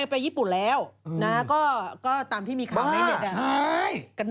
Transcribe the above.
ใครให้ขึ้นไปนั่งอย่างนี้ได้อ่ะบ้า